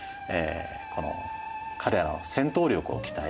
この彼らの戦闘力を期待してですね